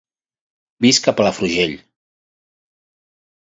Visc a Palafrugell.